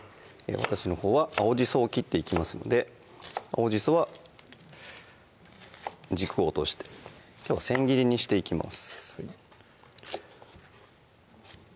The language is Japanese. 私のほうは青じそを切っていきますので青じそは軸を落としてきょうは千切りにしていきます